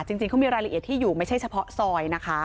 จริงเขามีรายละเอียดที่อยู่ไม่ใช่เฉพาะซอยนะคะ